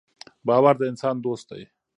باور د انسان دوست دی.